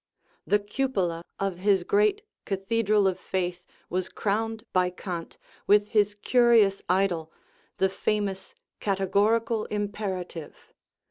The cupola of his great cathedral of faith was crowned by Kant with his curious idol, the famous " categorical imperative."